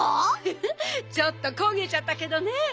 フフッちょっとこげちゃったけどね。